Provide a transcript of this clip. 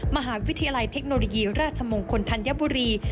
มหาวิทยาลัยเทคโนโลยีราชมงคลธัญบุรี